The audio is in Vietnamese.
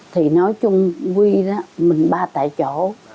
thì nói chung huy mình ba tại chỗ